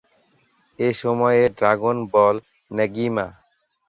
এই সময়ে "Dragon Ball", "নেগিমা!